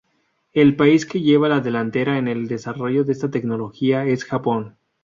El país que lleva la delantera en el desarrollo de esta tecnología es Japón.